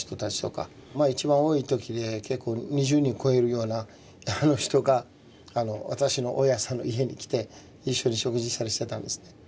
一番多い時で２０人超えるような人が私の大家さんの家に来て一緒に食事したりしてたんですね。